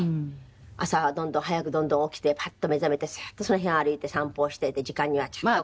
朝はどんどん早くどんどん起きてパッと目覚めてスッとその辺歩いて散歩をして時間にはちゃんと遅れない。